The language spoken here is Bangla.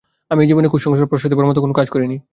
আমি এই জীবনে কুসংস্কার প্রশ্রয় দেবার মতো কোনো কাজ করিনি।